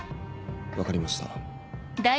分かりました。